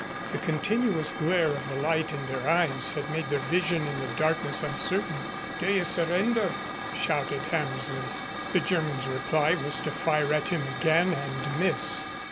The continuous glare of the light in their eyes had made their vision in the darkness uncertain. "Do you surrender?" shouted Hammersley. The German's reply was to fire at him again and miss.